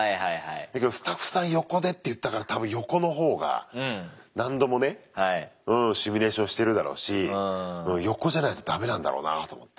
だけどスタッフさん横でって言ったから多分横のほうが何度もねシミュレーションしてるだろうし横じゃないとダメなんだろうなと思って。